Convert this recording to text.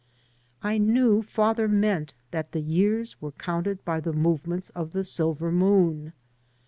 I knew father meant that the years were counted by the movements of the silver moon.